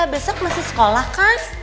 besok masih sekolah kan